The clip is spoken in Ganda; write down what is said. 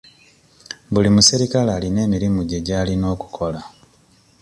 Buli muserikale alina emirimu gye gy'alina okukola.